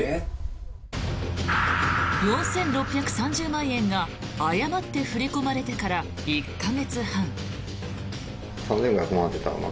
４６３０万円が誤って振り込まれてから１か月半。